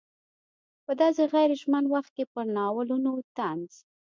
په داسې غیر ژمن وخت کې پر ناولونو طنز.